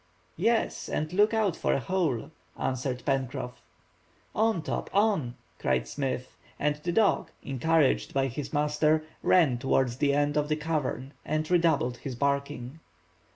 "Yes, and look out for a hole," answered Pencroff. "On, Top, on," cried Smith, and the dog, encouraged by his master, ran towards the end of the cavern, and redoubled his barking.